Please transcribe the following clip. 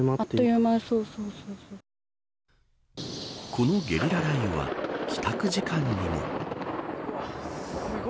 このゲリラ雷雨は帰宅時間にも。